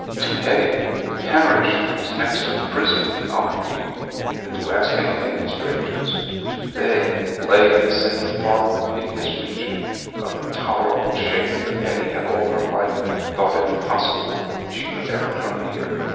To Hetty the "parish" was next to the prison in obloquy, and to ask anything of strangers—to beg—lay in the same far off hideous region of intolerable shame that Hetty had all her life thought it impossible she could ever come near.